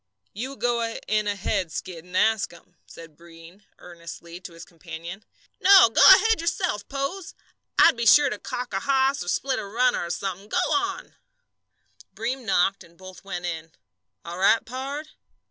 "You go in ahead, Skid, and ask 'em," said Breem, earnestly, to his companion. "No, go ahead yourself, Pose. I'd be sure to calk a hoss or split a runner, or somethin'. Go on!" Breem knocked, and both went in. "All right, pard?"